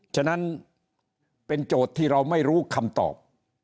ฉะนั้นเป็นโจทย์ที่เราไม่รู้คำตอบ